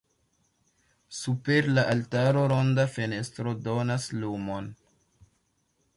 Super la altaro ronda fenestro donas lumon.